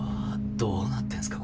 どうなってんすか？